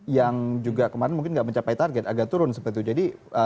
yang juga kemarin mungkin nggak mencapai target agak turun seperti itu